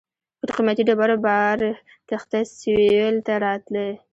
پر قیمتي ډبرو بار کښتۍ سېویل ته راتلې.